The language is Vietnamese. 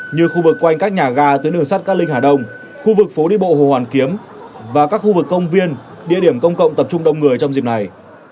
như khu vực quanh các nhà ga tuyến đường sắt cát linh hà đông khu vực phố đi bộ hồ hoàn kiếm và các khu vực công viên địa điểm công cộng tập trung đông người trong dịp này